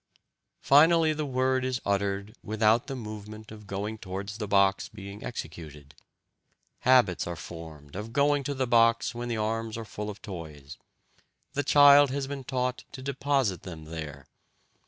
Finally the word is uttered without the movement of going towards the box being executed.... Habits are formed of going to the box when the arms are full of toys. The child has been taught to deposit them there.